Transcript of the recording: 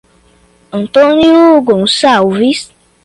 Antônio Gonçalves